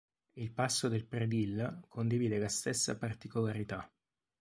Il Passo del Predil condivide la stessa particolarità.